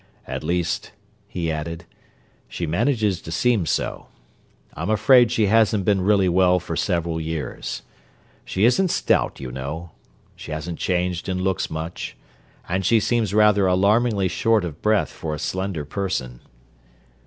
"At least," he added, "she manages to seem so. I'm afraid she hasn't been really well for several years. She isn't stout you know—she hasn't changed in looks much—and she seems rather alarmingly short of breath for a slender person.